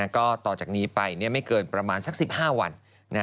ก็ต่อจากนี้ไปไม่เกินประมาณสัก๑๕วัน